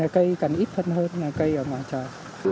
cây cần ít phân hơn là cây ở ngoài trời